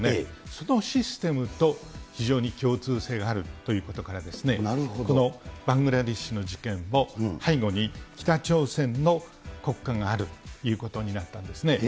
そのシステムと非常に共通性があるということから、このバングラデシュの事件を背後に、北朝鮮の国家があるということになったんですね。